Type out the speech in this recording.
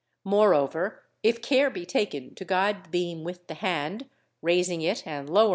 134 ; moreover if care be taken to guide the matt ' beam with the hand, raising it and lower Fig.